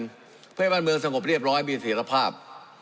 เพื่อให้บ้านเมืองสงบเรียบร้อยมีเสียรภาพ